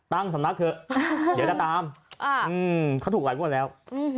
ตั้งสำนักเถอะเดี๋ยวจะตามเขาถูกหลายงวดแล้ว